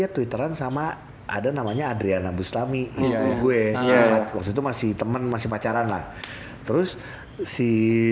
twitteran sama ada namanya adriana buslami gue masih temen masih pacaran lah terus si